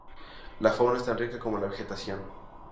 La fauna es tan rica como la vegetación.